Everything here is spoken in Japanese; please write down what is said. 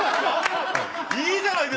いいじゃないですか。